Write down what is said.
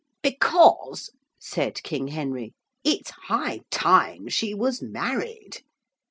'Because,' said King Henry, 'it's high time she was married.